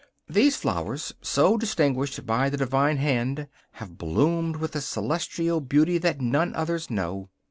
These flowers, so distinguished by the Divine hand, have bloomed with a celestial beauty that none others know.